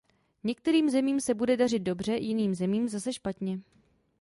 Některým zemím se bude dařit dobře, jiným zemím zase špatně.